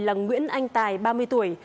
là nguyễn anh tài ba mươi tuổi